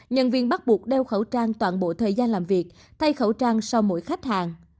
nhân viên bắt buộc đeo khẩu trang toàn bộ thời gian làm việc thay khẩu trang sau mỗi khách hàng